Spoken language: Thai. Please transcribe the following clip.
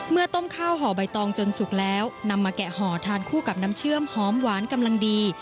ต้มข้าวห่อใบตองจนสุกแล้วนำมาแกะห่อทานคู่กับน้ำเชื่อมหอมหวานกำลังดี